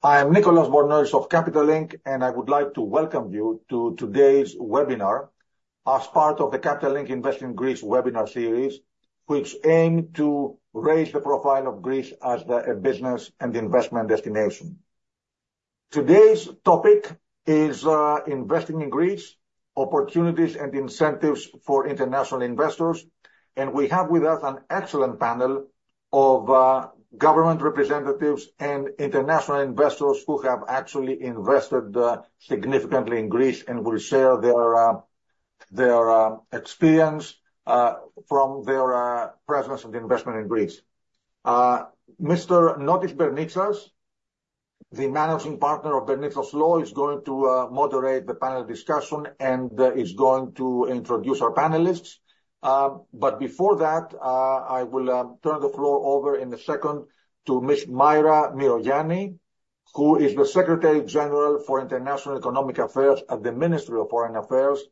I am Nicolas Bornozis of Capital Link. I would like to welcome you to today's webinar as part of the Capital Link Invest in Greece webinar series, which aim to raise the profile of Greece as a business and investment destination. Today's topic is investing in Greece, opportunities and incentives for international investors. We have with us an excellent panel of government representatives and international investors who have actually invested significantly in Greece and will share their experience from their presence of the investment in Greece. Panayotis Bernitsas, the Managing Partner of Bernitsas Law, is going to moderate the panel discussion and is going to introduce our panelists. Before that, I will turn the floor over in a second to Maira Myrogianni, who is the Secretary General for International Economic Affairs at the Ministry of Foreign Affairs.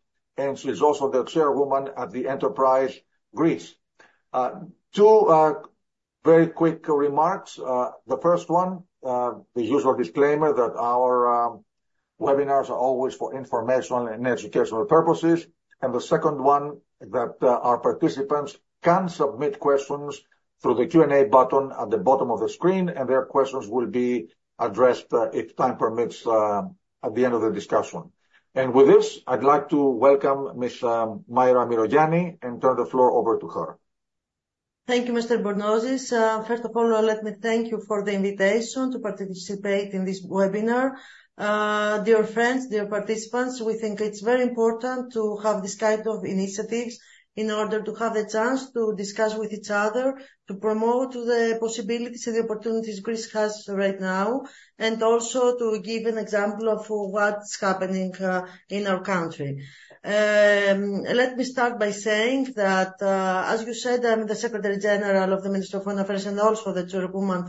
She is also the Chairwoman at Enterprise Greece. Two very quick remarks. The first one, the usual disclaimer that our webinars are always for informational and educational purposes. The second one, that our participants can submit questions through the Q&A button at the bottom of the screen. Their questions will be addressed, if time permits, at the end of the discussion. With this, I'd like to welcome Maira Myrogianni and turn the floor over to her. Thank you, Mr. Bornozis. First of all, let me thank you for the invitation to participate in this webinar. Dear friends, dear participants, we think it's very important to have this kind of initiatives in order to have the chance to discuss with each other, to promote the possibilities and the opportunities Greece has right now, and also to give an example of what's happening in our country. Let me start by saying that, as you said, I'm the Secretary General of the Ministry of Foreign Affairs and also the Chairwoman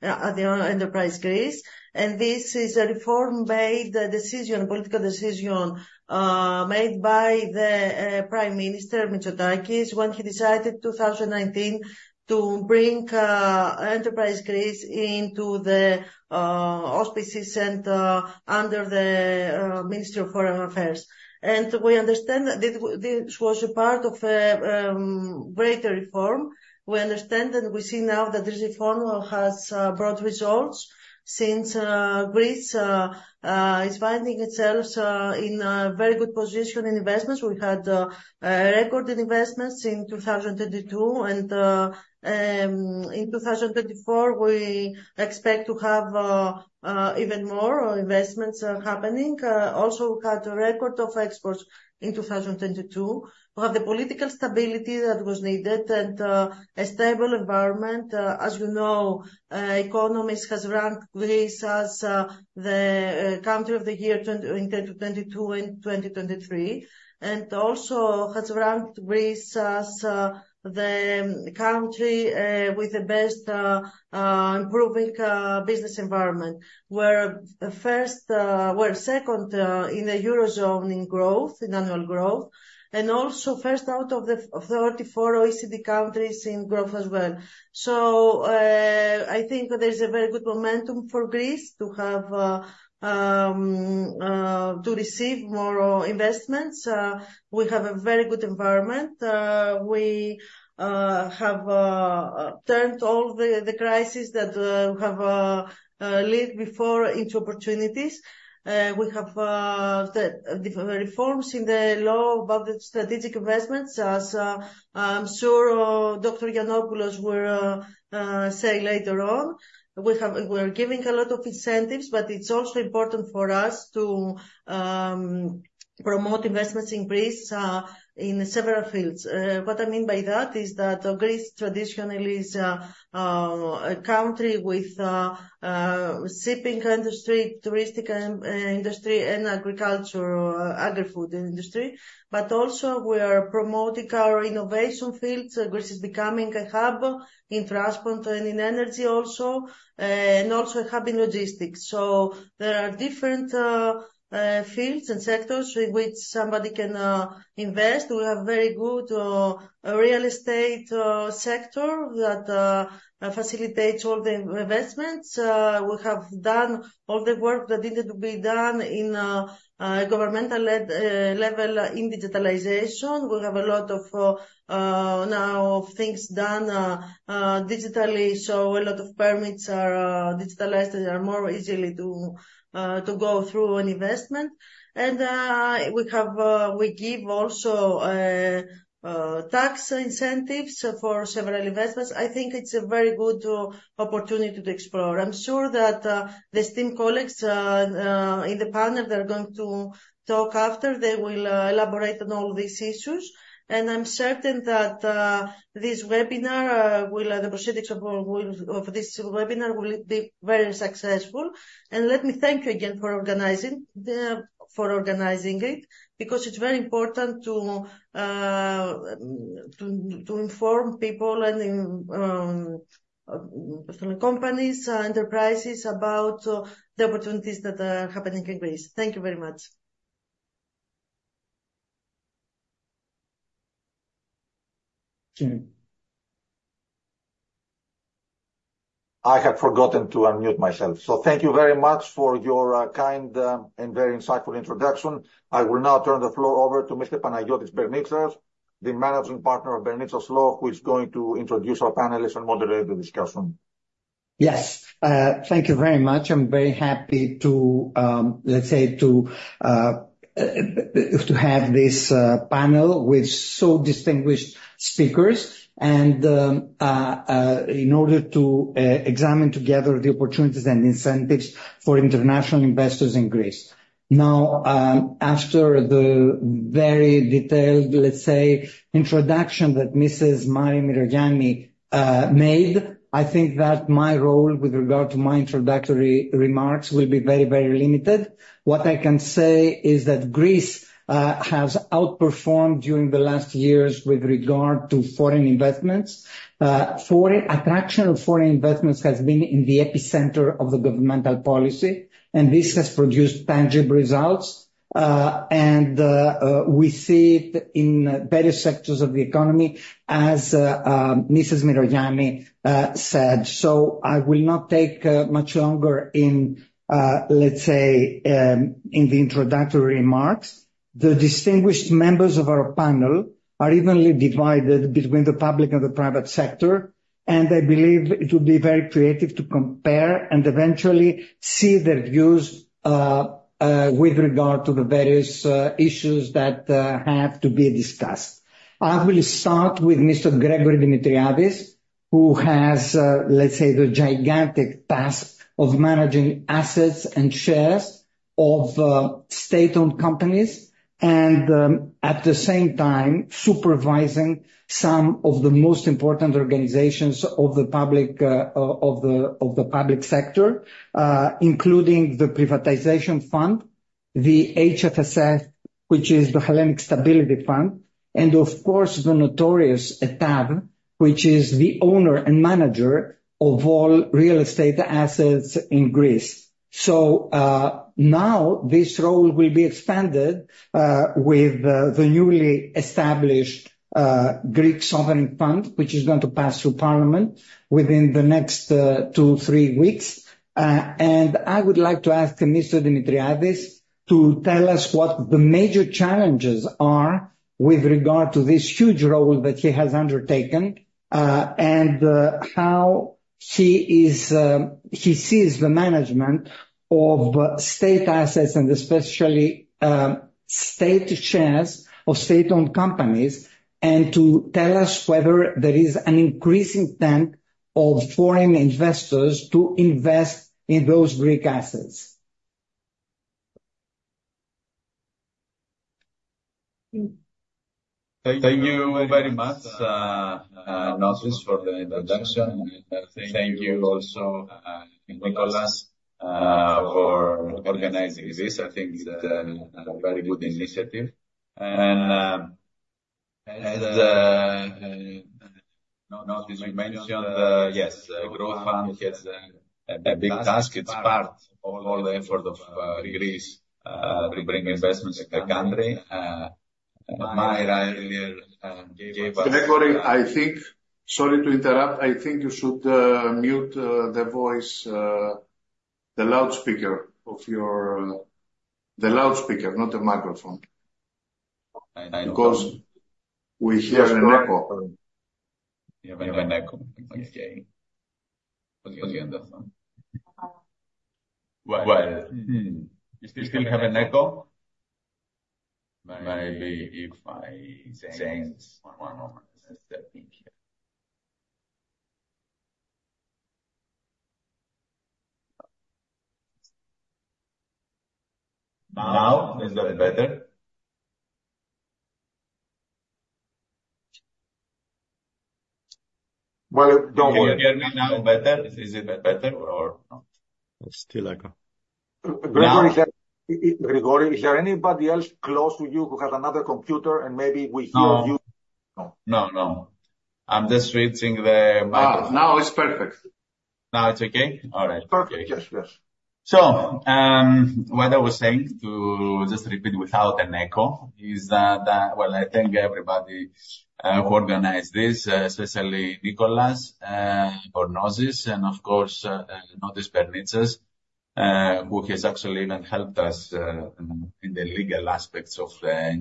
at Enterprise Greece. This is a reform made, a decision, political decision, made by the Prime Minister, Kyriakos Mitsotakis, when he decided in 2019 to bring Enterprise Greece into the auspices under the Ministry of Foreign Affairs. We understand that this was a part of a greater reform. We understand and we see now that this reform has brought results since Greece is finding itself in a very good position in investments. We had record investments in 2022. In 2024, we expect to have even more investments happening. We had a record of exports in 2022. We have the political stability that was needed and a stable environment. As you know, The Economist has ranked Greece as the country of the year in 2022 and 2023, and also has ranked Greece as the country with the best improving business environment. We're second in the Eurozone in growth, in annual growth. We are also first out of the 34 OECD countries in growth as well. I think there's a very good momentum for Greece to receive more investments. We have a very good environment. We have turned all the crisis that we have lived before into opportunities. We have the reforms in the law about the strategic investments, as I'm sure Dr. Giannopoulos will say later on. We are giving a lot of incentives, but it's also important for us to promote investments in Greece in several fields. What I mean by that is that Greece traditionally is a country with shipping industry, touristic industry, and agricultural, agri-food industry, but also we are promoting our innovation fields. Greece is becoming a hub in transport and in energy also, and also a hub in logistics. There are different fields and sectors with which somebody can invest. We have very good real estate sector that facilitates all the investments. We have done all the work that needed to be done in governmental level in digitalization. We have a lot of, now, things done digitally, so a lot of permits are digitalized and are more easily to go through an investment. We give also tax incentives for several investments. I think it's a very good opportunity to explore. I'm sure that the esteemed colleagues in the panel that are going to talk after, they will elaborate on all these issues. I'm certain that the proceedings of this webinar will be very successful. Let me thank you again for organizing it, because it's very important to inform people and companies, enterprises about the opportunities that are happening in Greece. Thank you very much. I had forgotten to unmute myself. Thank you very much for your kind and very insightful introduction. I will now turn the floor over to Mr. Panayotis Bernitsas, the Managing Partner of Bernitsas Law, who is going to introduce our panelists and moderate the discussion. Yes. Thank you very much. I'm very happy, let's say, to have this panel with so distinguished speakers and in order to examine together the opportunities and incentives for international investors in Greece. Now, after the very detailed, let's say, introduction that Mrs. Maira Myrogianni made, I think that my role with regard to my introductory remarks will be very limited. What I can say is that Greece has outperformed during the last years with regard to foreign investments. Attraction of foreign investments has been in the epicenter of the governmental policy, and this has produced tangible results, and we see it in various sectors of the economy, as Mrs. Myrogianni said. I will not take much longer in, let's say, in the introductory remarks. The distinguished members of our panel are evenly divided between the public and the private sector, I believe it will be very creative to compare and eventually see their views with regard to the various issues that have to be discussed. I will start with Mr. Gregory Dimitriadis, who has, let's say, the gigantic task of managing assets and shares of state-owned companies and at the same time supervising some of the most important organizations of the public sector, including the privatization fund, the HFSF, which is the Hellenic Financial Stability Fund, and of course, the notorious ETAD, which is the owner and manager of all real estate assets in Greece. Now this role will be expanded with the newly established Greek sovereign fund, which is going to pass through Parliament within the next two, three weeks. I would like to ask Mr. Dimitriadis to tell us what the major challenges are with regard to this huge role that he has undertaken, and how he sees the management of state assets, and especially state shares of state-owned companies, and to tell us whether there is an increasing trend of foreign investors to invest in those Greek assets. Thank you very much, Notis, for the introduction. Thank you also, Nicolas, for organizing this. I think it's a very good initiative. Notis, you mentioned, yes, Growthfund has a big task. It's part of all the effort of Greece to bring investments in the country. Maira earlier gave us. Gregory, I think, sorry to interrupt, I think you should mute the voice, the loudspeaker, not the microphone. I know. Because we hear an echo. We have an echo. Okay. Well, You still have an echo? Maybe if I change one more setting here. Now, is that better? Well, don't worry. Can you hear me now better? Is it better or not? Still echo. Gregory, is there anybody else close to you who have another computer and maybe we hear you? No. I'm just reaching the microphone. Now it's perfect. Now it's okay? All right. Perfect. Yes. What I was saying, to just repeat without an echo, is that, well, I thank everybody who organized this, especially Nicolas, for Notis, and of course, Notis Bernitsas, who has actually even helped us in the legal aspects of the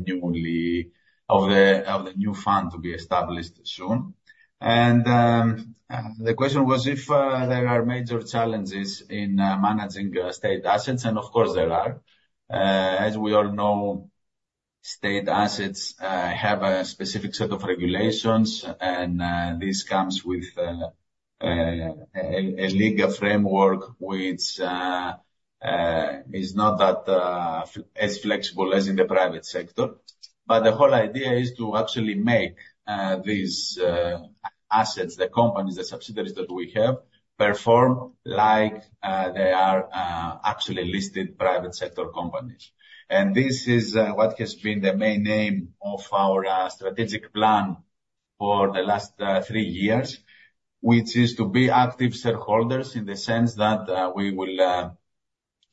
new fund to be established soon. The question was if there are major challenges in managing state assets, and of course, there are. As we all know, state assets have a specific set of regulations, and this comes with a legal framework which is not as flexible as in the private sector. The whole idea is to actually make these assets, the companies, the subsidiaries that we have, perform like they are actually listed private sector companies. This is what has been the main aim of our strategic plan for the last three years, which is to be active shareholders in the sense that we will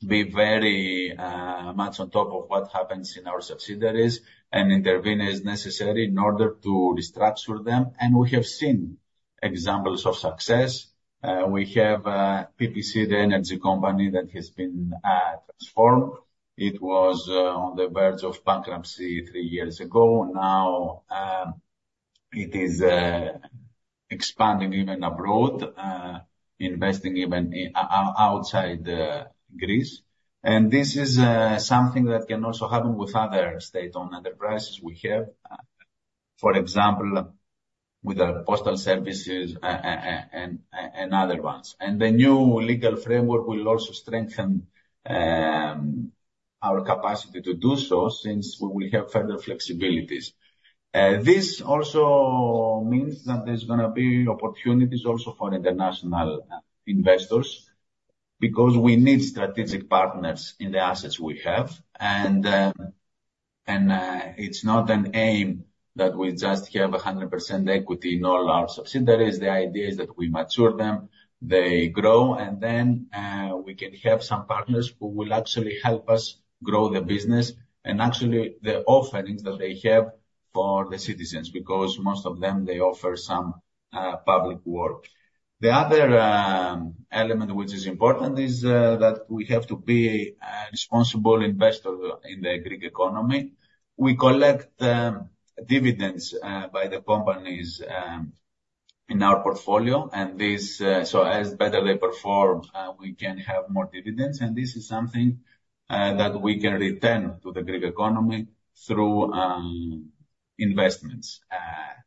be very much on top of what happens in our subsidiaries and intervene as necessary in order to restructure them. We have seen examples of success. We have PPC, the energy company that has been transformed. It was on the verge of bankruptcy three years ago. Now it is expanding even abroad, investing even outside Greece. This is something that can also happen with other state-owned enterprises we have, for example, with our postal services and other ones. The new legal framework will also strengthen our capacity to do so since we will have further flexibilities. This also means that there's going to be opportunities also for international investors because we need strategic partners in the assets we have. It's not an aim that we just have 100% equity in all our subsidiaries. The idea is that we mature them, they grow, and then we can have some partners who will actually help us grow the business and actually the offerings that they have for the citizens. Because most of them, they offer some public work. The other element which is important is that we have to be a responsible investor in the Greek economy. We collect dividends by the companies in our portfolio, as better they perform, we can have more dividends. This is something that we can return to the Greek economy through investments.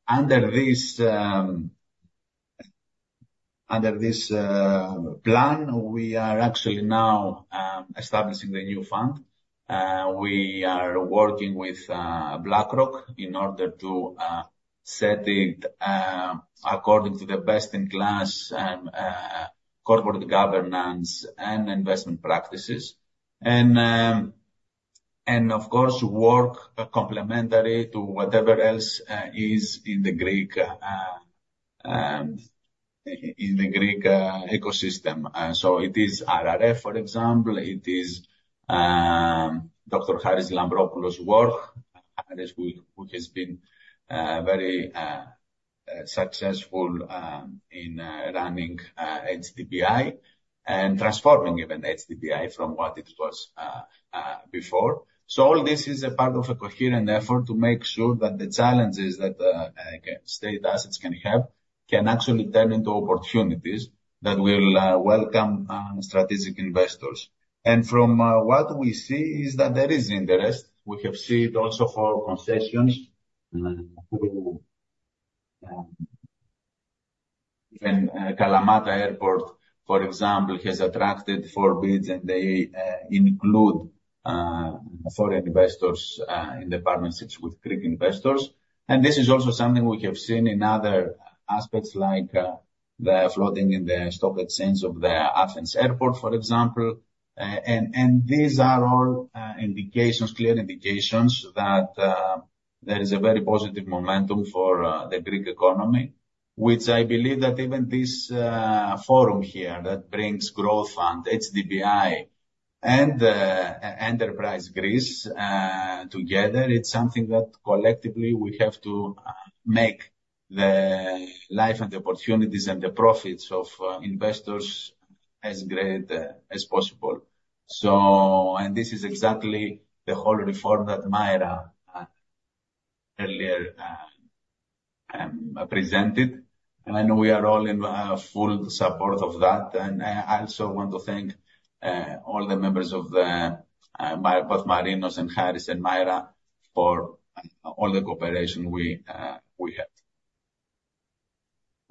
Under this plan, we are actually now establishing the new fund. We are working with BlackRock in order to set it according to the best-in-class corporate governance and investment practices, and of course, work complementary to whatever else is in the Greek ecosystem. It is RRF, for example. It is Dr. Haris Lambropoulos' work, who has been very successful in running HDBI and transforming even HDBI from what it was before. All this is a part of a coherent effort to make sure that the challenges that state assets can have can actually turn into opportunities that will welcome strategic investors. From what we see is that there is interest. We have seen also for concessions who, Kalamata Airport, for example, has attracted four bids, and they include foreign investors in partnerships with Greek investors. This is also something we have seen in other aspects, like the floating in the stock exchange of the Athens airport, for example. These are all clear indications that there is a very positive momentum for the Greek economy, which I believe that even this forum here that brings Growthfund, HDBI, and Enterprise Greece together, it's something that collectively we have to make the life and the opportunities and the profits of investors as great as possible. This is exactly the whole reform that Maira earlier presented, and I know we are all in full support of that. I also want to thank all the members of the, both Marinos and Haris and Maira for all the cooperation we had.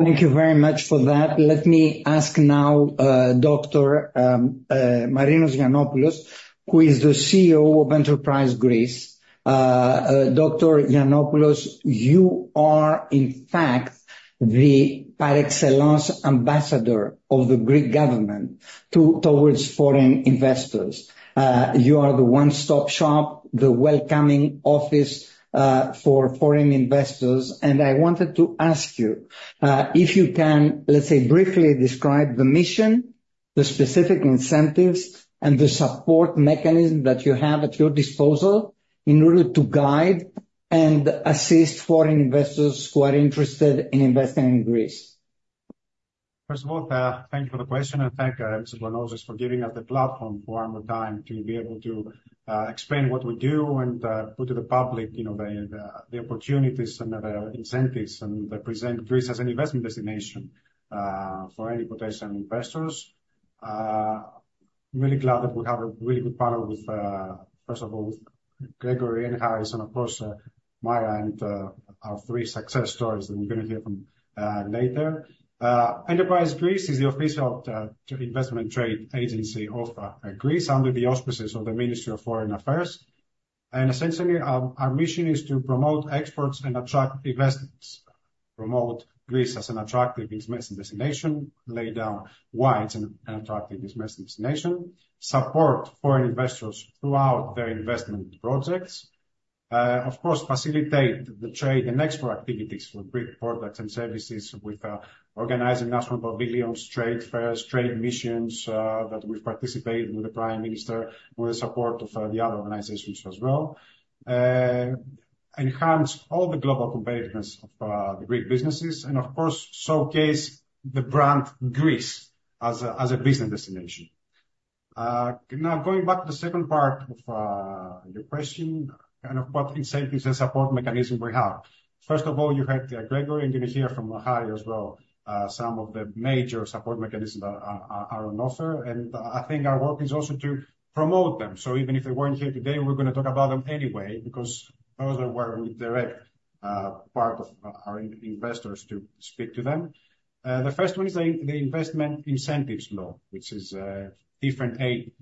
Thank you very much for that. Let me ask now Dr. Marinos Giannopoulos, who is the CEO of Enterprise Greece. Dr. Giannopoulos, you are, in fact, the par excellence ambassador of the Greek government towards foreign investors. You are the one-stop shop, the welcoming office for foreign investors. I wanted to ask you, if you can, let's say, briefly describe the mission, the specific incentives, and the support mechanism that you have at your disposal in order to guide and assist foreign investors who are interested in investing in Greece. First of all, thank you for the question. Thank Mr. Bornozis for giving us the platform for one more time to be able to explain what we do and put to the public the opportunities and the incentives, and present Greece as an investment destination for any potential investors. Really glad that we have a really good panel with, first of all, Gregory and Haris, and of course, Maira, and our three success stories that we're going to hear from later. Enterprise Greece is the official investment trade agency of Greece under the auspices of the Ministry of Foreign Affairs. Essentially, our mission is to promote exports and attract investments, promote Greece as an attractive investment destination, lay down why it's an attractive investment destination, support foreign investors throughout their investment projects. Of course, facilitate the trade and export activities for Greek products and services with organizing national pavilions, trade fairs, trade missions that we participate with the Prime Minister, with the support of the other organizations as well. Enhance all the global competitiveness of the Greek businesses, and of course, showcase the brand Greece as a business destination. Going back to the second part of your question, kind of what incentives and support mechanism we have. First of all, you had Gregory and you will hear from Haris as well, some of the major support mechanisms are on offer. I think our work is also to promote them. Even if they weren't here today, we're going to talk about them anyway, because those are where we direct part of our investors to speak to them. The first one is the Investment Incentives Law, which is different aid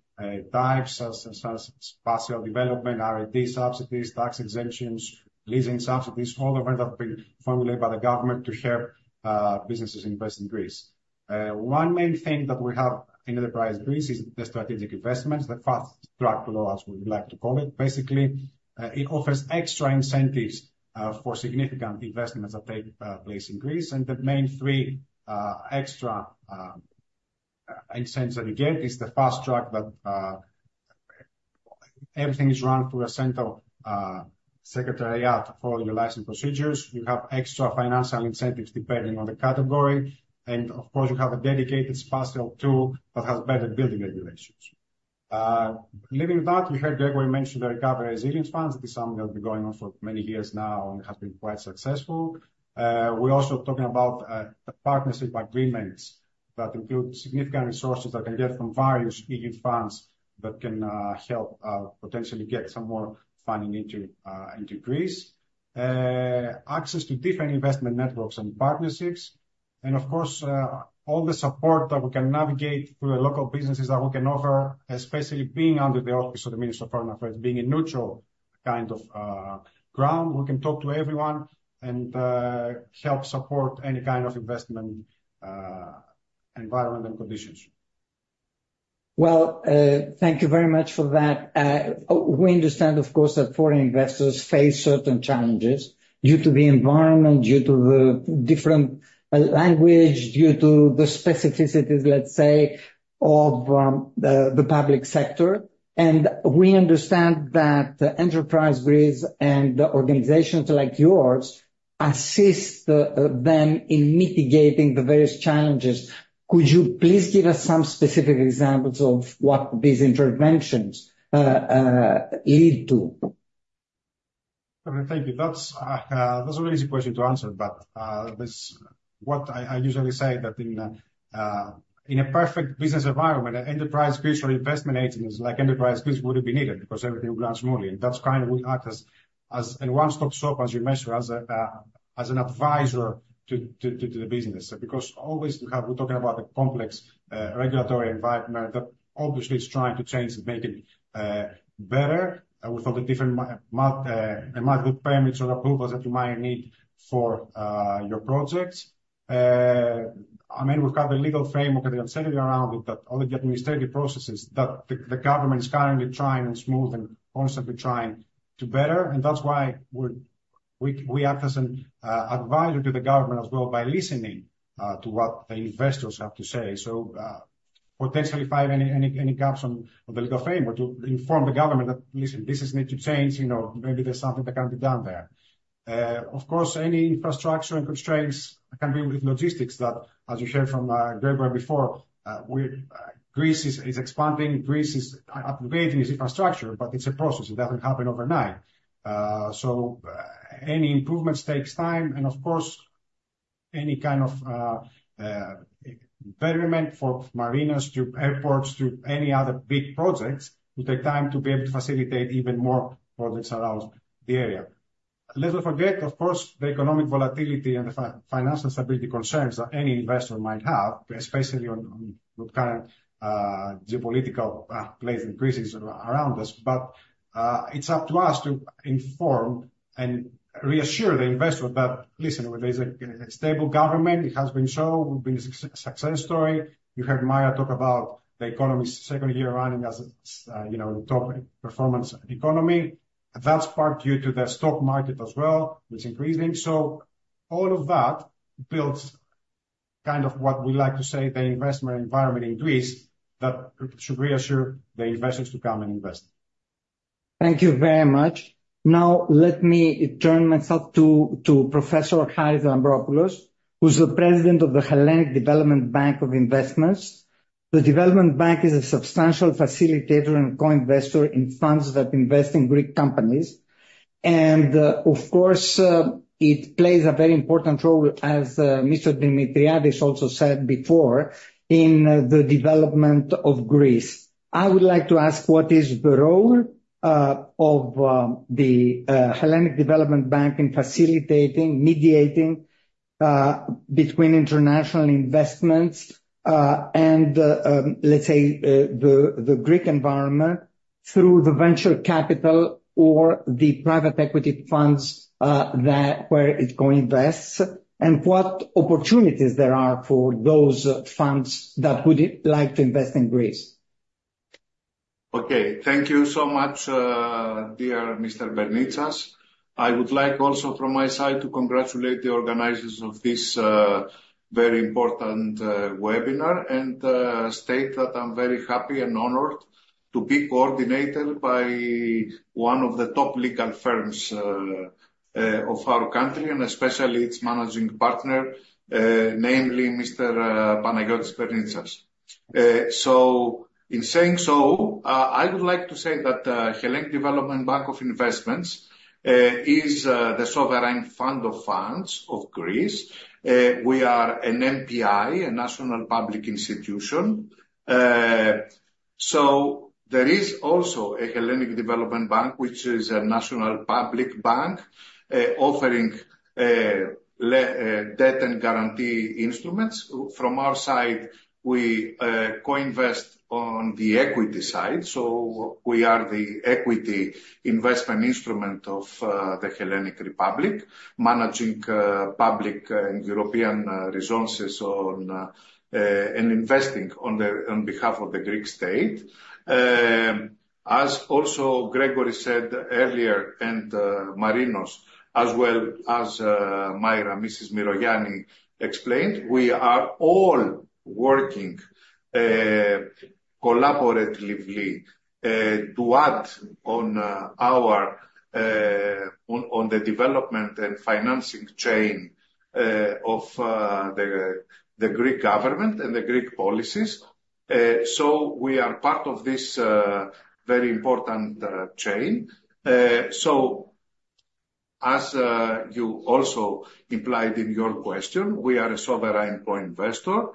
types, such as special development, R&D subsidies, tax exemptions, leasing subsidies, all of them have been formulated by the government to help businesses invest in Greece. One main thing that we have in Enterprise Greece is the strategic investments, the fast-track law, as we like to call it. Basically, it offers extra incentives for significant investments that take place in Greece. The main three extra incentive you get is the fast track that everything is run through a central secretariat for your license procedures. You have extra financial incentives depending on the category. Of course, you have a dedicated special tool that has better building regulations. Leaving that, we heard Gregory mention the Recovery Resilience Funds. It is something that's been going on for many years now and has been quite successful. We're also talking about the partnership agreements that include significant resources that can get from various EU funds that can help potentially get some more funding into Greece. Access to different investment networks and partnerships. Of course, all the support that we can navigate through the local businesses that we can offer, especially being under the office of the Minister of Foreign Affairs, being a neutral kind of ground. We can talk to everyone and help support any kind of investment, environment, and conditions. Well, thank you very much for that. We understand, of course, that foreign investors face certain challenges due to the environment, due to the different language, due to the specificities, let's say, of the public sector. We understand that Enterprise Greece and organizations like yours assist them in mitigating the various challenges. Could you please give us some specific examples of what these interventions lead to? Thank you. That's not an easy question to answer, but what I usually say that in a perfect business environment, enterprise visual investment agents like Enterprise Greece wouldn't be needed because everything would run smoothly. That's kind of we act as a one-stop shop, as you mentioned, as an advisor to the business. Always we're talking about the complex regulatory environment that obviously is trying to change and make it better with all the different multiple permits or approvals that you might need for your project. I mean, we've got the legal framework and the uncertainty around it, all the administrative processes that the government is currently trying and smooth and constantly trying to better. That's why we act as an advisor to the government as well by listening to what the investors have to say. Potentially find any gaps on the legal framework to inform the government that, listen, this need to change, maybe there's something that can be done there. Of course, any infrastructure and constraints can be with logistics that, as you heard from Gregory before, Greece is expanding, Greece is upgrading its infrastructure, it's a process. It doesn't happen overnight. Any improvements takes time, of course, any kind of betterment for marinas to airports, to any other big projects will take time to be able to facilitate even more projects around the area. Let's not forget, of course, the economic volatility and the financial stability concerns that any investor might have, especially on the current geopolitical place in Greece around us. It's up to us to inform and reassure the investor that, listen, there's a stable government. It has been shown, we've been a success story. You heard Maira talk about the economy's second year running as a top performance economy. That's part due to the stock market as well. It's increasing. All of that builds kind of what we like to say, the investment environment in Greece, that should reassure the investors to come and invest. Thank you very much. Let me turn myself to Professor Haris Lambropoulos, who's the President of the Hellenic Development Bank of Investments. The Development Bank is a substantial facilitator and co-investor in funds that invest in Greek companies. Of course, it plays a very important role, as Mr. Dimitriadis also said before, in the development of Greece. I would like to ask, what is the role of the Hellenic Development Bank in facilitating, mediating between international investments and, let's say, the Greek environment through the venture capital or the private equity funds where it co-invests? What opportunities there are for those funds that would like to invest in Greece? Okay. Thank you so much, dear Mr. Bernitsas. I would like also from my side to congratulate the organizers of this very important webinar and state that I'm very happy and honored to be coordinated by one of the top legal firms of our country, and especially its Managing Partner, namely Mr. Panayotis Bernitsas. In saying so, I would like to say that Hellenic Development Bank of Investments is the sovereign fund of funds of Greece. We are an NPI, a national public institution. There is also a Hellenic Development Bank, which is a national public bank, offering debt and guarantee instruments. From our side, we co-invest on the equity side, so we are the equity investment instrument of the Hellenic Republic, managing public and European resources and investing on behalf of the Greek state. Gregory said earlier, and Marinos, as well as Maira, Mrs. Myrogianni explained, we are all working collaboratively to add on the development and financing chain of the Greek government and the Greek policies. We are part of this very important chain. As you also implied in your question, we are a sovereign co-investor.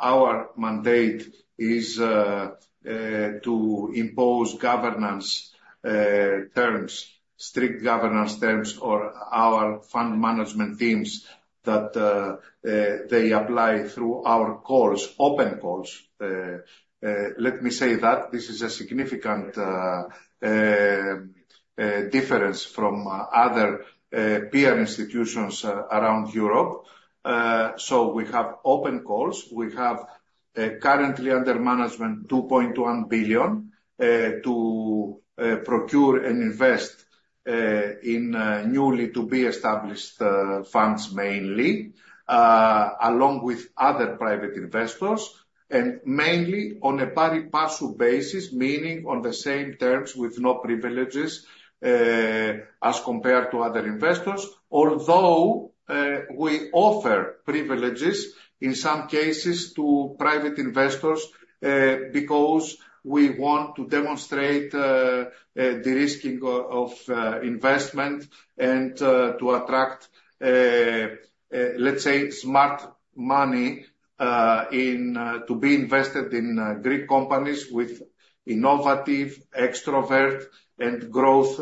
Our mandate is to impose governance terms, strict governance terms or our fund management teams that they apply through our calls, open calls. Let me say that this is a significant difference from other peer institutions around Europe. We have open calls. We have currently under management 2.1 billion to procure and invest in newly to be established funds mainly, along with other private investors, and mainly on a pari passu basis, meaning on the same terms with no privileges, as compared to other investors. Although, we offer privileges in some cases to private investors, because we want to demonstrate de-risking of investment and to attract, let's say, smart money to be invested in Greek companies with innovative, extrovert, and growth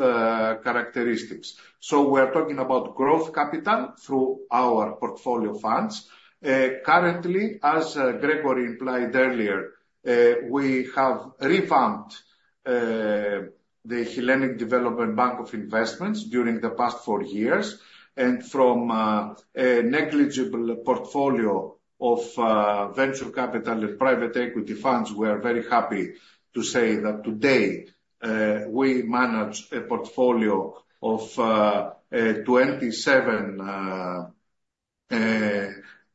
characteristics. We're talking about growth capital through our portfolio funds. Currently, as Gregory implied earlier, we have revamped the Hellenic Development Bank of Investments during the past 4 years, and from a negligible portfolio of venture capital and private equity funds, we are very happy to say that today, we manage a portfolio of 27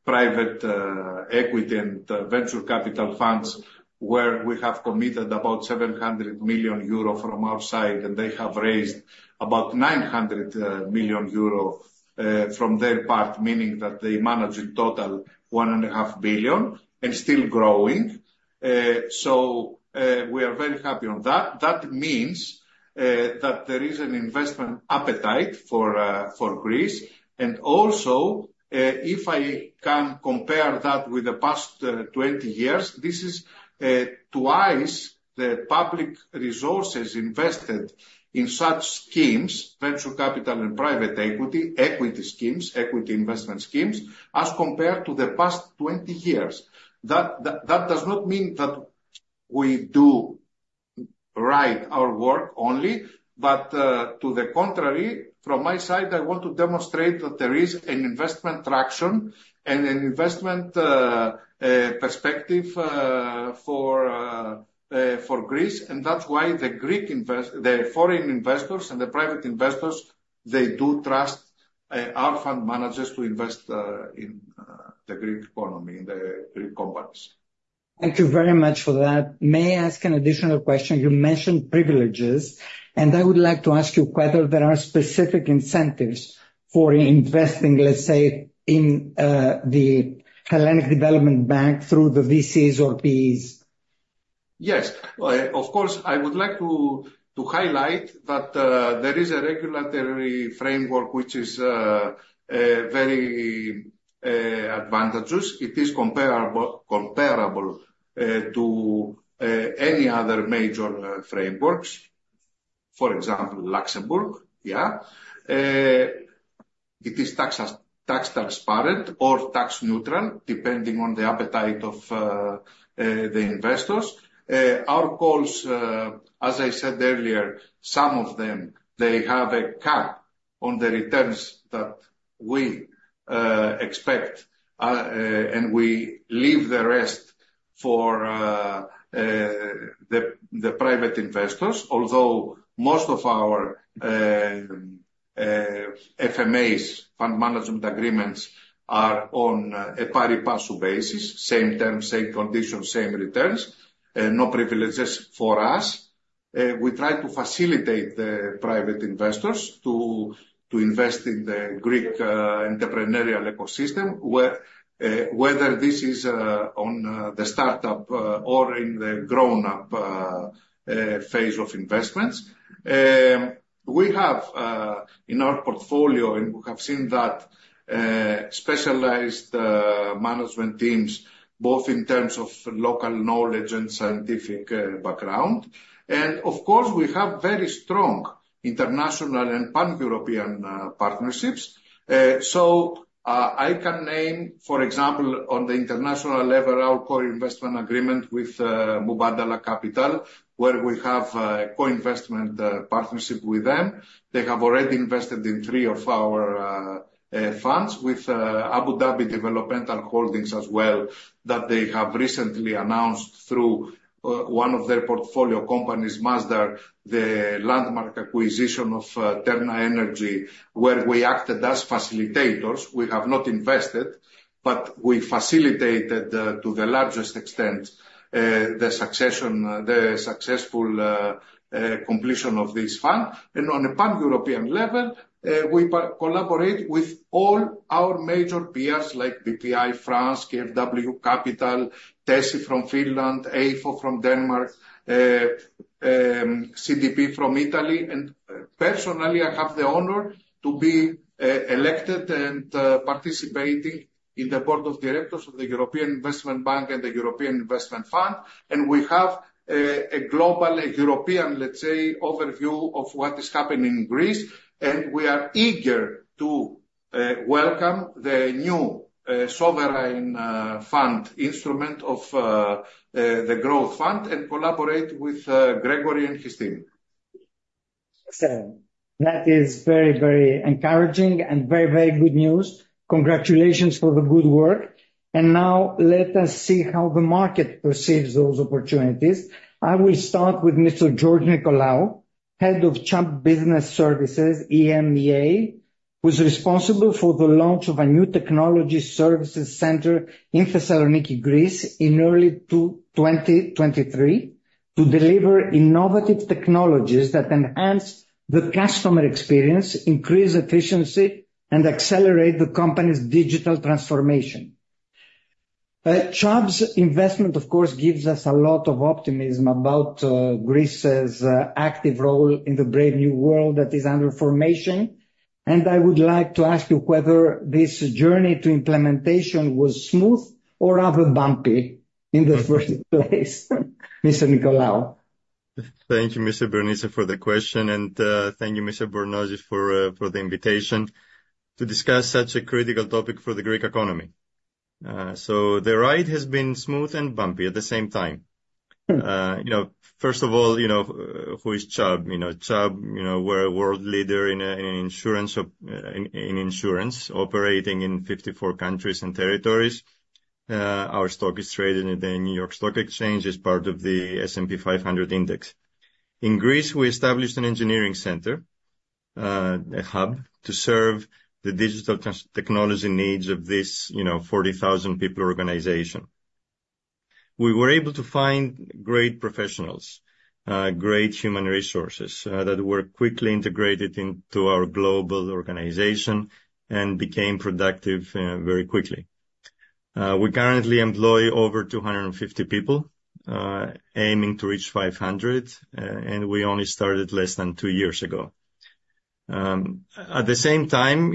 private equity and venture capital funds where we have committed about 700 million euro from our side, and they have raised about 900 million euro from their part, meaning that they manage in total one and a half billion EUR and still growing. We are very happy on that. That means that there is an investment appetite for Greece. Also, if I can compare that with the past 20 years, this is twice the public resources invested in such schemes, venture capital and private equity schemes, equity investment schemes, as compared to the past 20 years. That does not mean that we do right our work only, but to the contrary, from my side, I want to demonstrate that there is an investment traction and an investment perspective for Greece, and that's why the foreign investors and the private investors, they do trust our fund managers to invest in the Greek economy, in the Greek companies. Thank you very much for that. May I ask an additional question? You mentioned privileges, and I would like to ask you whether there are specific incentives for investing, let's say, in the Hellenic Development Bank through the VCs or PEs. Yes. Of course, I would like to highlight that there is a regulatory framework which is very advantageous. It is comparable to any other major frameworks. For example, Luxembourg. It is tax transparent or tax neutral, depending on the appetite of the investors. Our calls, as I said earlier, some of them they have a cap on the returns that we expect, and we leave the rest for the private investors. Although most of our FMAs, Fund Management Agreements, are on a pari passu basis, same terms, same conditions, same returns, no privileges for us. We try to facilitate the private investors to invest in the Greek entrepreneurial ecosystem, whether this is on the startup or in the grown-up phase of investments. We have in our portfolio, and we have seen that specialized management teams, both in terms of local knowledge and scientific background. Of course, we have very strong international and pan-European partnerships. I can name, for example, on the international level, our core investment agreement with Mubadala Capital, where we have a co-investment partnership with them. They have already invested in three of our funds with Abu Dhabi Developmental Holding as well, that they have recently announced through one of their portfolio companies, Masdar, the landmark acquisition of Terna Energy, where we acted as facilitators. We have not invested, but we facilitated, to the largest extent, the successful completion of this fund. On a pan-European level, we collaborate with all our major peers like Bpifrance, KfW Capital, Tesi from Finland, EIFO from Denmark, CDP from Italy, and personally, I have the honor to be elected and participating in the board of directors of the European Investment Bank and the European Investment Fund. We have a global European, let's say, overview of what is happening in Greece, and we are eager to welcome the new sovereign fund instrument of the Growthfund and collaborate with Gregory and his team. Excellent. That is very, very encouraging and very, very good news. Congratulations for the good work. Now let us see how the market perceives those opportunities. I will start with Mr. George Nikolaou, Head of Chubb Business Services EMEA, who's responsible for the launch of a new technology services center in Thessaloniki, Greece in early 2023 to deliver innovative technologies that enhance the customer experience, increase efficiency, and accelerate the company's digital transformation. Chubb's investment, of course, gives us a lot of optimism about Greece's active role in the brave new world that is under formation. I would like to ask you whether this journey to implementation was smooth or rather bumpy in the first place, Mr. Nikolaou. Thank you, Mr. Bernitsas, for the question, and thank you, Mr. Bornozis, for the invitation to discuss such a critical topic for the Greek economy. The ride has been smooth and bumpy at the same time. First of all, who is Chubb? Chubb, we're a world leader in insurance, operating in 54 countries and territories. Our stock is traded in the New York Stock Exchange as part of the S&P 500 index. In Greece, we established an engineering center, a hub, to serve the digital technology needs of this 40,000 people organization. We were able to find great professionals, great human resources, that were quickly integrated into our global organization and became productive very quickly. We currently employ over 250 people, aiming to reach 500, and we only started less than two years ago. At the same time,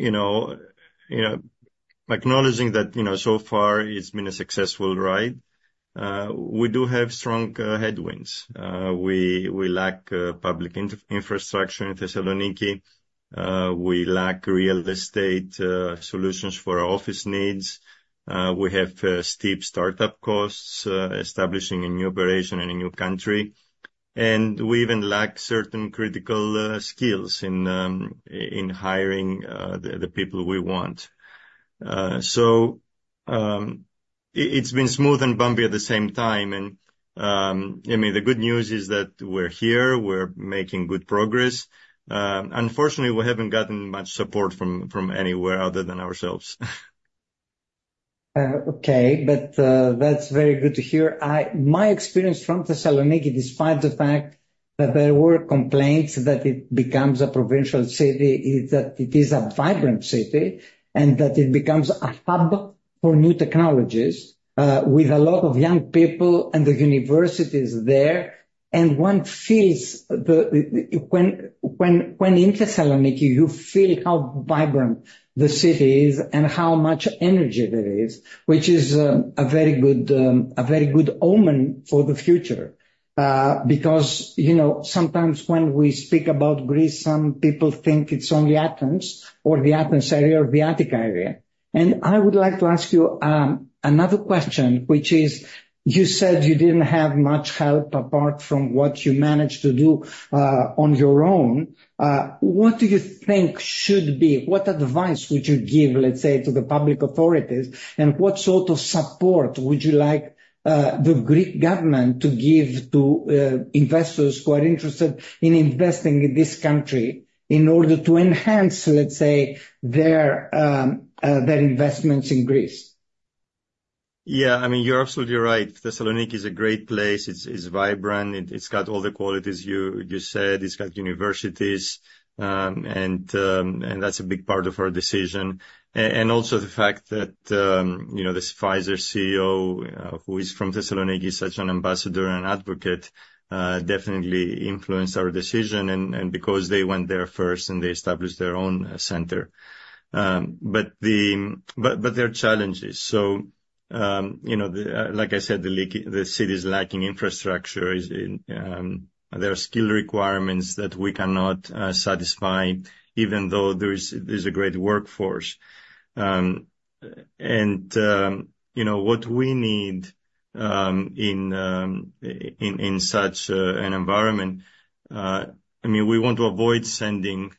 acknowledging that so far it's been a successful ride, we do have strong headwinds. We lack public infrastructure in Thessaloniki. We lack real estate solutions for our office needs. We have steep startup costs, establishing a new operation in a new country. We even lack certain critical skills in hiring the people we want. It's been smooth and bumpy at the same time, and the good news is that we're here, we're making good progress. Unfortunately, we haven't gotten much support from anywhere other than ourselves. Okay. That's very good to hear. My experience from Thessaloniki, despite the fact that there were complaints that it becomes a provincial city, is that it is a vibrant city and that it becomes a hub for new technologies, with a lot of young people and the universities there. When in Thessaloniki, you feel how vibrant the city is and how much energy there is, which is a very good omen for the future. Sometimes when we speak about Greece, some people think it's only Athens or the Athens area or the Attica area. I would like to ask you another question, which is, you said you didn't have much help apart from what you managed to do on your own. What do you think? What advice would you give, let's say, to the public authorities, and what sort of support would you like the Greek government to give to investors who are interested in investing in this country in order to enhance, let's say, their investments in Greece? You're absolutely right. Thessaloniki is a great place. It's vibrant. It's got all the qualities you said. It's got universities, and that's a big part of our decision. Also the fact that the Pfizer CEO, who is from Thessaloniki, such an ambassador and advocate, definitely influenced our decision, and because they went there first, and they established their own center. There are challenges. Like I said, the city is lacking infrastructure. There are skill requirements that we cannot satisfy, even though there's a great workforce. What we need in such an environment, we want to avoid sending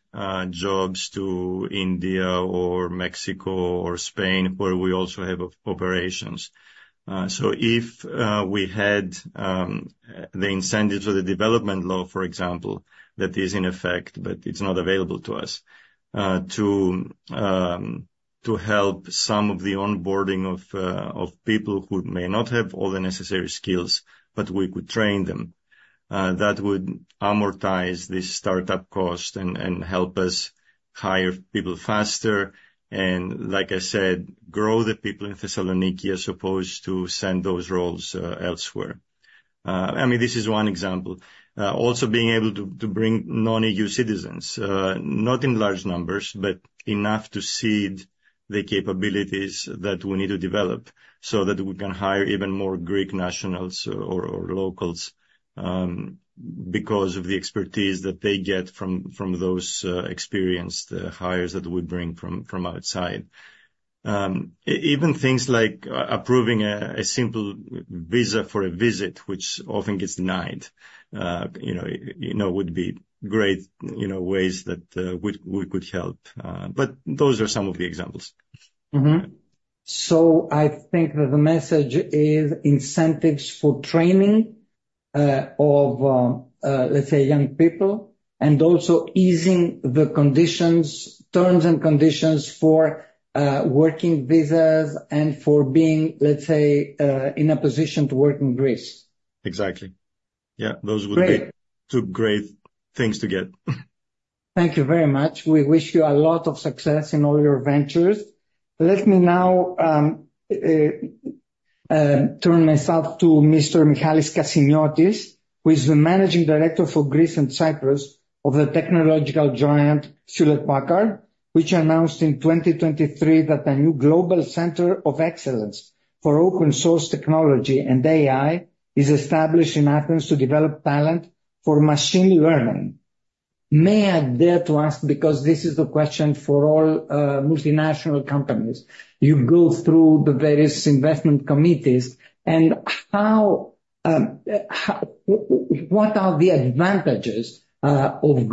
jobs to India or Mexico or Spain, where we also have operations. If we had the incentives or the development law, for example, that is in effect, but it's not available to us, to help some of the onboarding of people who may not have all the necessary skills, but we could train them. That would amortize this startup cost and help us hire people faster and, like I said, grow the people in Thessaloniki as opposed to send those roles elsewhere. This is one example. Also being able to bring non-EU citizens, not in large numbers, but enough to seed the capabilities that we need to develop so that we can hire even more Greek nationals or locals because of the expertise that they get from those experienced hires that we bring from outside. Even things like approving a simple visa for a visit, which often gets denied would be great ways that we could help. Those are some of the examples. I think that the message is incentives for training of, let's say, young people and also easing the terms and conditions for working visas and for being, let's say, in a position to work in Greece. Exactly. Yeah. Great two great things to get. Thank you very much. We wish you a lot of success in all your ventures. Let me now turn myself to Mr. Michalis Kassimiotis, who is the Managing Director for Greece and Cyprus of the technological giant Hewlett Packard, which announced in 2023 that a new global center of excellence for open source technology and AI is established in Athens to develop talent for machine learning. May I dare to ask, because this is the question for all multinational companies, you go through the various investment committees, what are the advantages of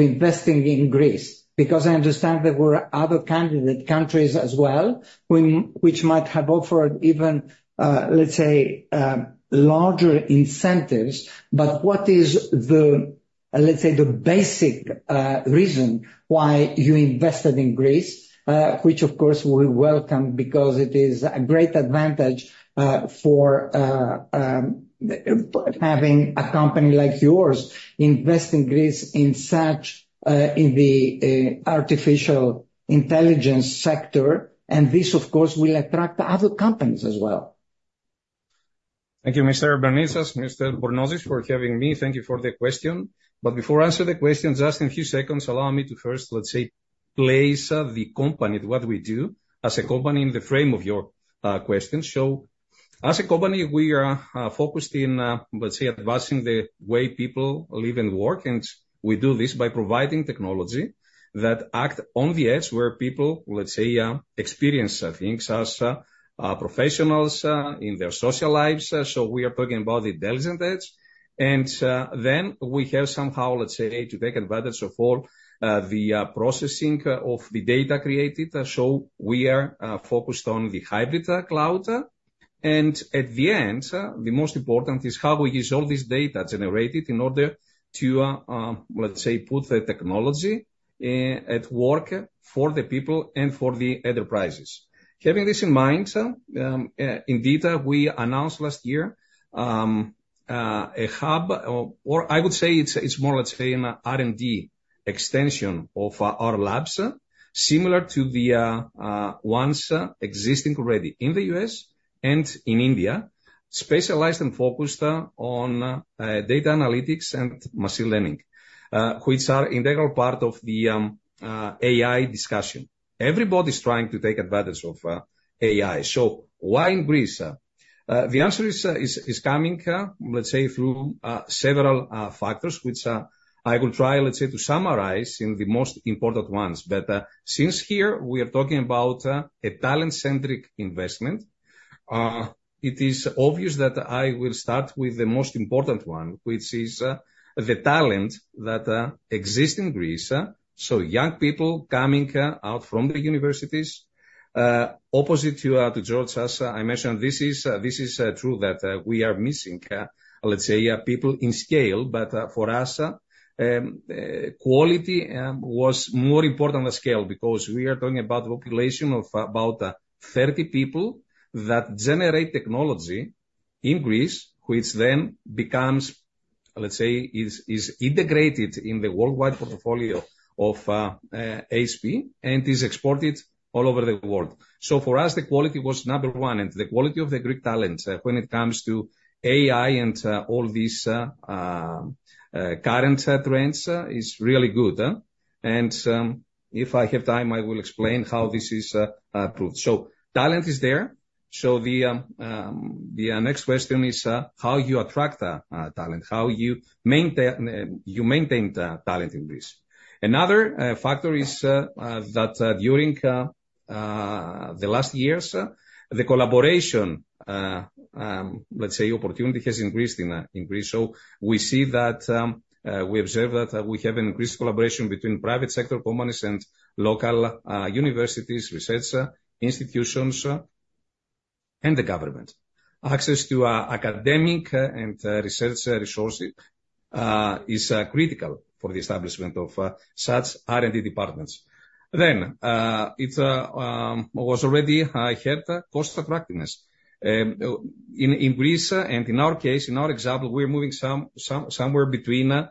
investing in Greece? Because I understand there were other candidate countries as well, which might have offered even, let's say, larger incentives. What is the basic reason why you invested in Greece? Which, of course, we welcome because it is a great advantage for having a company like yours invest in Greece in the artificial intelligence sector. This, of course, will attract other companies as well. Thank you, Mr. Bernitsas, Mr. Bornozis, for having me. Thank you for the question. Before I answer the questions, just in a few seconds, allow me to first, let's say, place the company to what we do as a company in the frame of your questions. As a company, we are focused in, let's say, advancing the way people live and work, and we do this by providing technology that act on the edge where people, let's say, experience things as professionals in their social lives. We are talking about the intelligent edge. Then we have somehow, let's say, to take advantage of all the processing of the data created. We are focused on the hybrid cloud. At the end, the most important is how we use all this data generated in order to, let's say, put the technology at work for the people and for the enterprises. Having this in mind, indeed, we announced last year, a hub, or I would say it's more, let's say, an R&D extension of our labs, similar to the ones existing already in the U.S. and in India, specialized and focused on data analytics and machine learning, which are integral part of the AI discussion. Everybody's trying to take advantage of AI. Why in Greece? The answer is coming, let's say through several factors, which I will try, let's say, to summarize in the most important ones. Since here we are talking about a talent-centric investment, it is obvious that I will start with the most important one, which is the talent that exists in Greece. Young people coming out from the universities, opposite to George, as I mentioned, this is true that we are missing, let's say people in scale, but for us, quality was more important than scale because we are talking about population of about 30 people that generate technology in Greece, which then becomes, let's say, is integrated in the worldwide portfolio of HP and is exported all over the world. For us, the quality was number one and the quality of the Greek talent when it comes to AI and all these current trends is really good. If I have time, I will explain how this is approved. Talent is there. The next question is how you attract talent, how you maintain the talent in Greece. Another factor is that during the last years, the collaboration, let's say opportunity has increased in Greece. We observe that we have increased collaboration between private sector companies and local universities, research institutions, and the government. Access to academic and research resources is critical for the establishment of such R&D departments. It was already heard, cost attractiveness. In Greece and in our case, in our example, we're moving somewhere between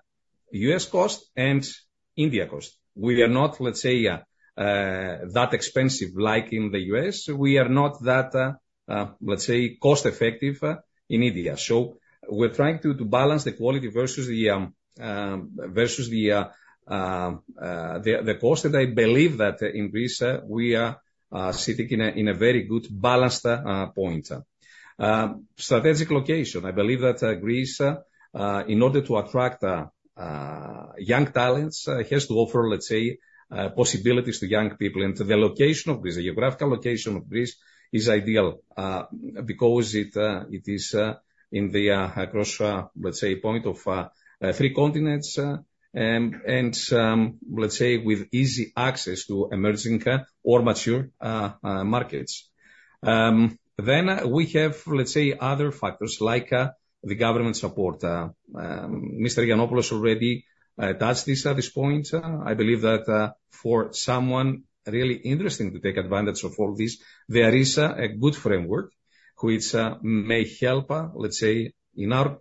U.S. cost and India cost. We are not, let's say, that expensive like in the U.S. We are not that, let's say, cost-effective in India. We're trying to balance the quality versus the cost, and I believe that in Greece we are sitting in a very good balanced point. Strategic location. I believe that Greece, in order to attract young talents, has to offer, let's say, possibilities to young people. The location of Greece, the geographical location of Greece is ideal, because it is in the cross, let's say, point of three continents, and, let's say with easy access to emerging or mature markets. We have, let's say, other factors like the government support. Mr. Giannopoulos already touched this at this point. I believe that for someone really interesting to take advantage of all this, there is a good framework which may help, let's say in our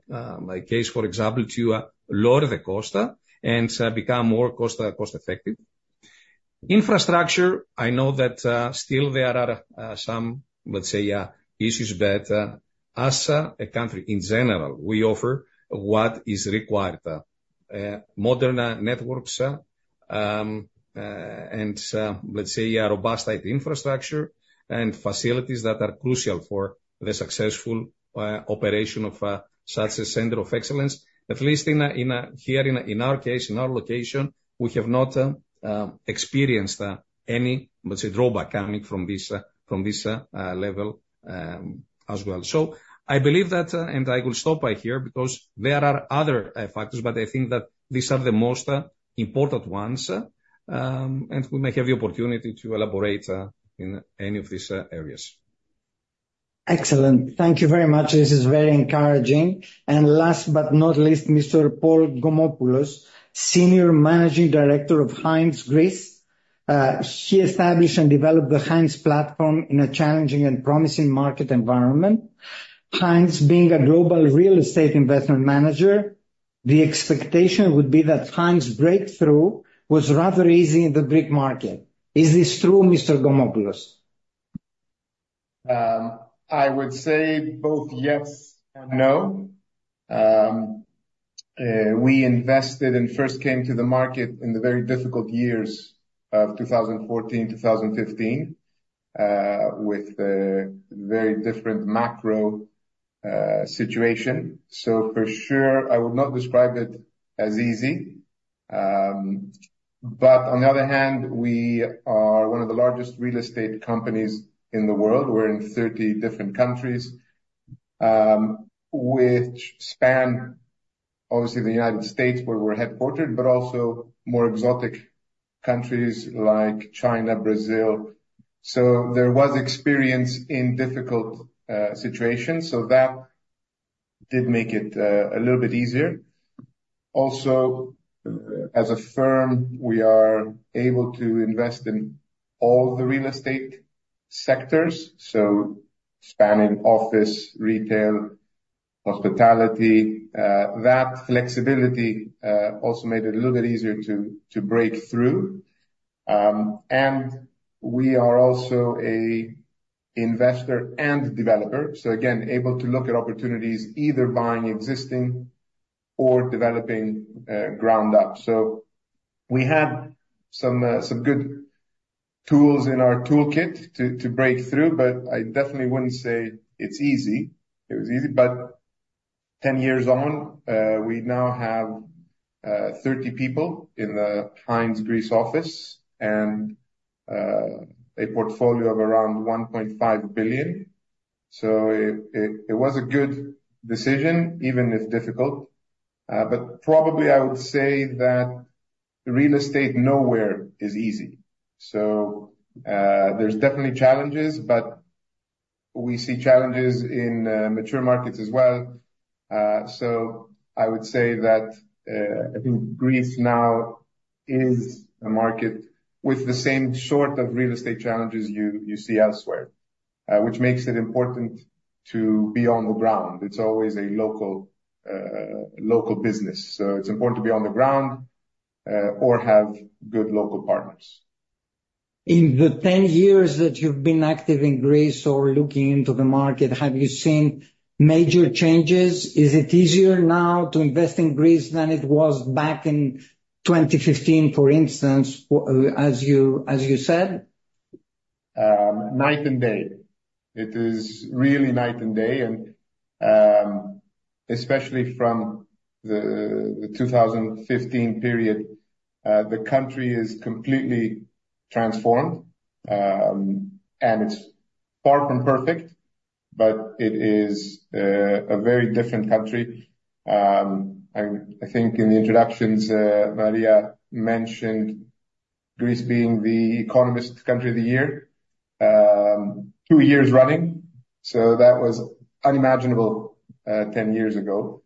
case, for example, to lower the cost and become more cost-effective. Infrastructure. I know that still there are some, let's say, issues, but as a country in general, we offer what is required. Modern networks, and let's say robust IT infrastructure and facilities that are crucial for the successful operation of such a center of excellence. At least here in our case, in our location, we have not experienced any, let's say, drawback coming from this level as well. I believe that, and I will stop right here because there are other factors, but I think that these are the most important ones. We may have the opportunity to elaborate in any of these areas. Excellent. Thank you very much. This is very encouraging. Last but not least, Mr. Paul Gomopoulos, Senior Managing Director of Hines Greece. He established and developed the Hines platform in a challenging and promising market environment. Hines being a global real estate investment manager, the expectation would be that Hines' breakthrough was rather easy in the Greek market. Is this true, Mr. Gomopoulos? I would say both yes and no. We invested and first came to the market in the very difficult years of 2014, 2015, with a very different macro situation. For sure, I would not describe it as easy. On the other hand, we are one of the largest real estate companies in the world. We're in 30 different countries, which span obviously the U.S., where we're headquartered, but also more exotic countries like China, Brazil. There was experience in difficult situations. That did make it a little bit easier. Also, as a firm, we are able to invest in all the real estate sectors, so spanning office, retail, hospitality. That flexibility also made it a little bit easier to break through. We are also an investor and developer, so again, able to look at opportunities either buying existing Or developing ground up. We have some good tools in our toolkit to break through, but I definitely wouldn't say it's easy. It was easy, but 10 years on, we now have 30 people in the Hines Greece office and a portfolio of around $1.5 billion. It was a good decision, even if difficult. Probably I would say that real estate nowhere is easy. There's definitely challenges, but we see challenges in mature markets as well. I would say that, I think Greece now is a market with the same sort of real estate challenges you see elsewhere, which makes it important to be on the ground. It's always a local business. It's important to be on the ground or have good local partners. In the 10 years that you've been active in Greece or looking into the market, have you seen major changes? Is it easier now to invest in Greece than it was back in 2015, for instance, as you said? Night and day. It is really night and day, and especially from the 2015 period, the country is completely transformed. It's far from perfect, but it is a very different country. I think in the introductions, Maira mentioned Greece being The Economist's Country of the Year 2 years running. That was unimaginable 10 years ago.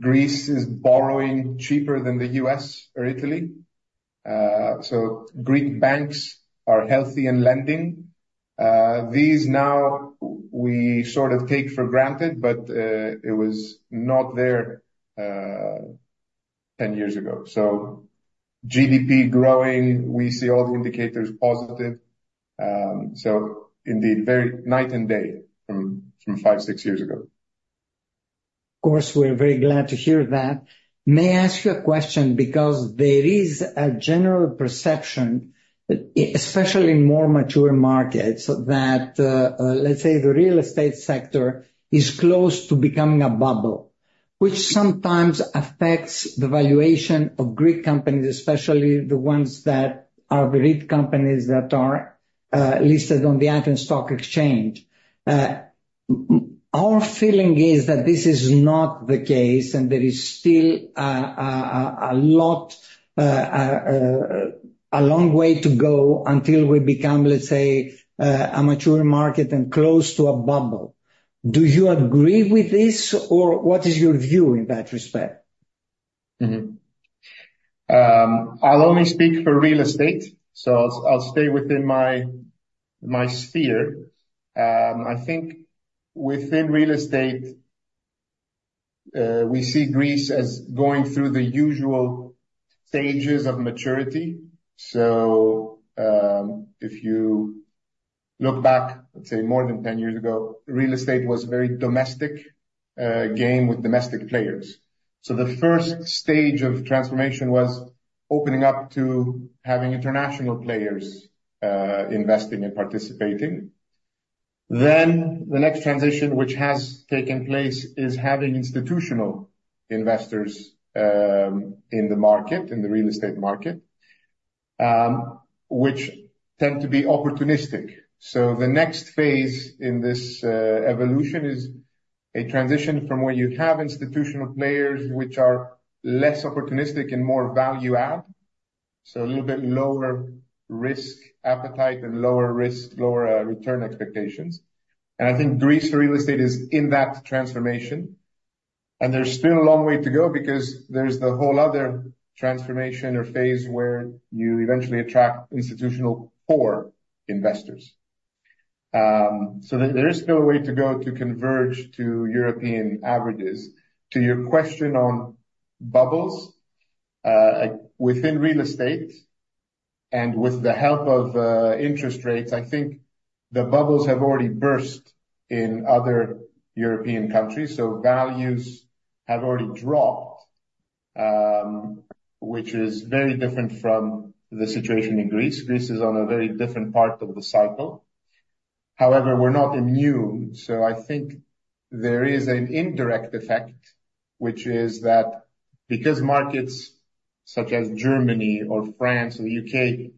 Greece is borrowing cheaper than the U.S. or Italy. Greek banks are healthy and lending. These now we sort of take for granted, but it was not there 10 years ago. GDP growing, we see all the indicators positive. Indeed, very night and day from five, six years ago. Of course, we're very glad to hear that. May I ask you a question? Because there is a general perception, especially in more mature markets, that, let's say, the real estate sector is close to becoming a bubble, which sometimes affects the valuation of Greek companies, especially the ones that are Greek companies that are listed on the Athens Stock Exchange. Our feeling is that this is not the case, and there is still a long way to go until we become, let's say, a mature market and close to a bubble. Do you agree with this, or what is your view in that respect? I'll only speak for real estate, so I'll stay within my sphere. I think within real estate, we see Greece as going through the usual stages of maturity. If you look back, let's say more than 10 years ago, real estate was very domestic game with domestic players. The stage 1 of transformation was opening up to having international players investing and participating. The next transition which has taken place is having institutional investors in the market, in the real estate market, which tend to be opportunistic. The next phase in this evolution is a transition from where you have institutional players which are less opportunistic and more value add, so a little bit lower risk appetite and lower risk, lower return expectations. I think Greece real estate is in that transformation, and there's still a long way to go because there's the whole other transformation or phase where you eventually attract institutional core investors. There is still a way to go to converge to European averages. To your question on bubbles, within real estate and with the help of interest rates, I think the bubbles have already burst in other European countries. Values have already dropped, which is very different from the situation in Greece. Greece is on a very different part of the cycle. However, we're not immune. I think there is an indirect effect, which is that because markets such as Germany or France or the U.K.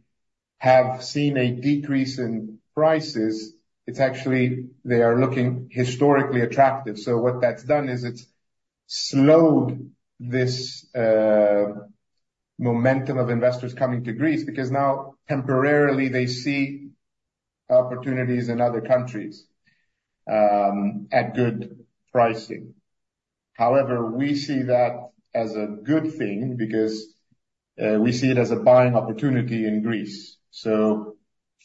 have seen a decrease in prices, it's actually they are looking historically attractive. What that's done is it's slowed this momentum of investors coming to Greece because now temporarily, they see opportunities in other countries at good pricing. However, we see that as a good thing because we see it as a buying opportunity in Greece.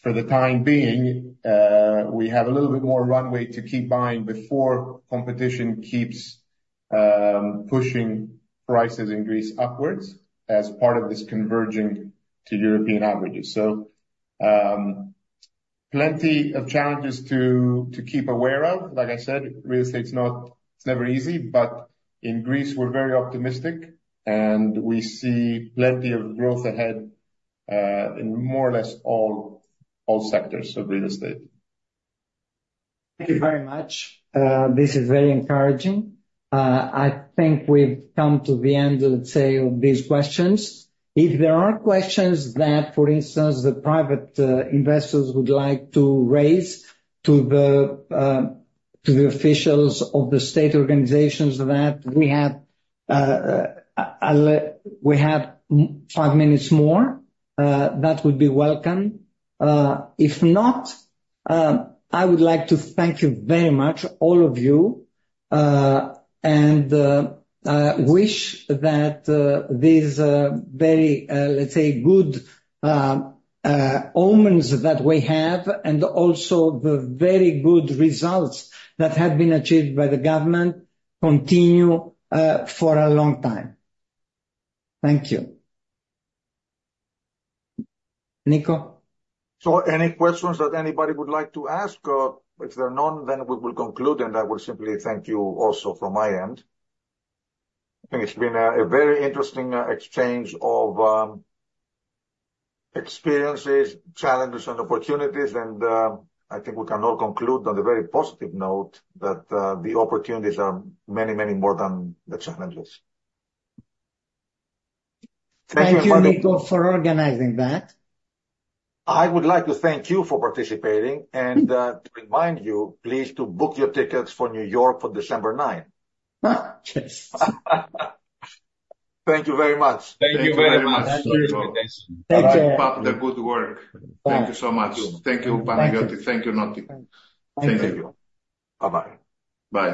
For the time being, we have a little bit more runway to keep buying before competition keeps pushing prices in Greece upwards as part of this converging to European averages. Plenty of challenges to keep aware of. Like I said, real estate, it's never easy. In Greece, we're very optimistic, and we see plenty of growth ahead in more or less all sectors of real estate. Thank you very much. This is very encouraging. I think we've come to the end of, let's say, these questions. If there are questions that, for instance, the private investors would like to raise to the officials of the state organizations that we have five minutes more, that would be welcome. If not, I would like to thank you very much, all of you, and wish that these very, let's say, good omens that we have and also the very good results that have been achieved by the government continue for a long time. Thank you. Nico? Any questions that anybody would like to ask? If there are none, we will conclude, and I will simply thank you also from my end. I think it's been a very interesting exchange of experiences, challenges, and opportunities, and I think we can all conclude on a very positive note that the opportunities are many, many more than the challenges. Thank you, Nico, for organizing that. I would like to thank you for participating, and to remind you please to book your tickets for New York for December 9. Yes. Thank you very much. Thank you very much. Thank you. Keep up the good work. Thank you so much. Thank you, Panayotis. Thank you, Niki. Thank you. Bye-bye. Bye.